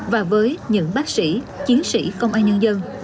và với những bác sĩ chiến sĩ công an nhân dân